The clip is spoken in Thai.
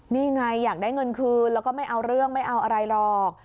นี่ไงอยากได้เงินคืนแล้วก็ไม่เอาเรื่องไม่เอาอะไรหรอก